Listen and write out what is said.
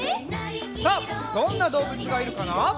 さあどんなどうぶつがいるかな？